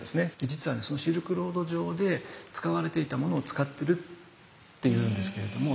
実はシルクロード上で使われていたものを使ってるっていうんですけれども。